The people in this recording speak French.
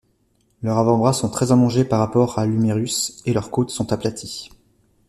Leurs avant-bras sont très allongés par rapport à l'humérus et leurs côtes sont aplaties.